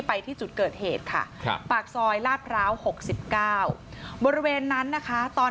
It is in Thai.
ไปที่จุดเกิดเหตุค่ะครับปากซอยลาดพร้าว๖๙บริเวณนั้นนะคะตอน